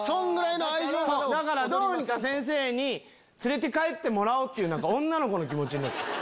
だからどうにか先生に連れて帰ってもらおうっていう女の子の気持ちになっちゃった。